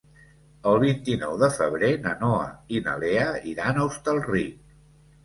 El vint-i-nou de febrer na Noa i na Lea iran a Hostalric.